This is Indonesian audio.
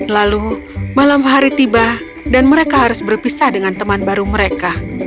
lalu malam hari tiba dan mereka harus berpisah dengan teman baru mereka